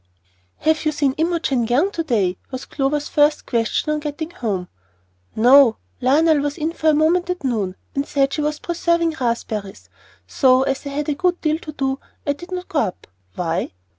"HAVE you seen Imogen Young to day?" was Clover's first question on getting home. "No. Lionel was in for a moment at noon, and said she was preserving raspberries; so, as I had a good deal to do, I did not go up. Why?"